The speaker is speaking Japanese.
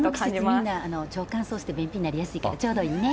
この季節、乾燥して便秘になりやすいからちょうどいいね。